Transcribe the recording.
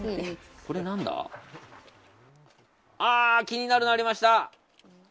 気になるのありました。